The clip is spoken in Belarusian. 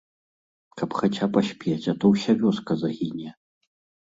Каб хаця паспець, а то ўся вёска загіне.